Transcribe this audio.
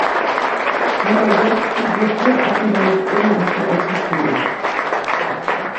Hannah Gadsby geht sehr offen damit um, dass sie Autistin ist.